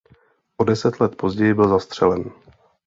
O deset let později byl zastřešen.